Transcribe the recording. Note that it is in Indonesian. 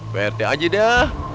pak rt aja dah